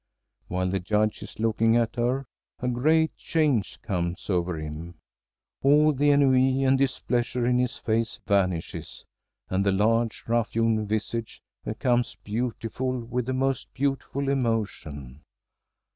While the Judge is looking at her, a great change comes over him. All the ennui and displeasure in his face vanishes, and the large, rough hewn visage becomes beautiful with the most beautiful emotion.